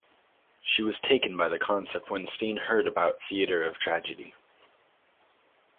She was taken by the concept when Stene heard about Theater of Tragedy.